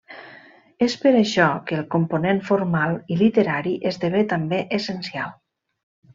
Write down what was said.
És per això que el component formal i literari esdevé també essencial.